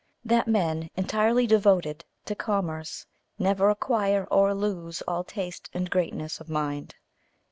that men entirely devoted to commerce never acquire or lose all taste and greatness of mind.